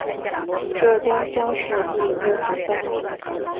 浙江乡试第六十三名。